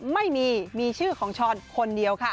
ไม่มีมีชื่อของช้อนคนเดียวค่ะ